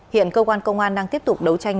hiện cơ quan công an đang tiếp tục đấu tranh